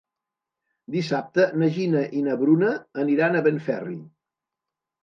Dissabte na Gina i na Bruna aniran a Benferri.